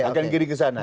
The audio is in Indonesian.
akan kirim ke sana